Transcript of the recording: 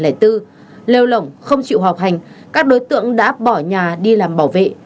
lê lỏng không chịu học hành các đối tượng đã bỏ nhà đi làm bảo vệ